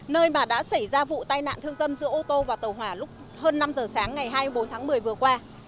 nơi bà đã xảy ra vụ tai nạn thương tâm giữa ô tô và tàu hỏa lúc hơn năm giờ sáng ngày hai mươi bốn tháng một mươi vừa qua